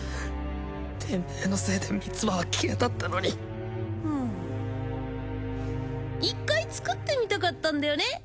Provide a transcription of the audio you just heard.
てめえのせいでミツバは消えたってのにうーん一回つくってみたかったんだよね